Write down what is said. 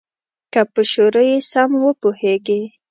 که په شروع یې سم وپوهیږې.